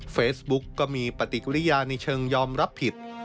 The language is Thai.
เฟซบุ๊กก็มีปฏิกิริยาในเชิงยอมรับผิด